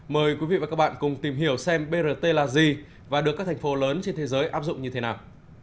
mời quý vị và các bạn cùng tìm hiểu xem brt là gì và được các thành phố lớn trên thế giới áp dụng như thế nào